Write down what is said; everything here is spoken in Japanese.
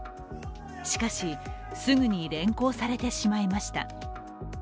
しかし、すぐに連行されてしまいました。